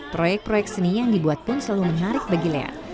proyek proyek seni yang dibuat pun selalu menarik bagi lea